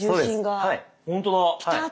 はい。